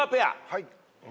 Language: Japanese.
はい。